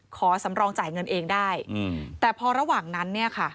สำรองจ่ายเงินเองได้แต่พอระหว่างนั้นเนี่ยค่ะ